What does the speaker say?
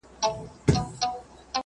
اختره مه راځه!